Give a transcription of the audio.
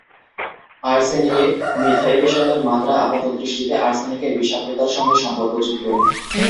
আর্সেনিকে মিথাইলেশনের মাত্রা আপাতদৃষ্টিতে আর্সেনিকের বিষাক্ততার সঙ্গে সম্পর্কযুক্ত।